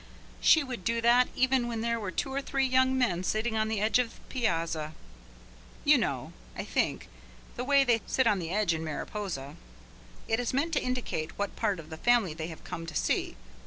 She would do that even when there were two or three young men sitting on the edge of the piazza. You know, I think, the way they sit on the edge in Mariposa. It is meant to indicate what part of the family they have come to see.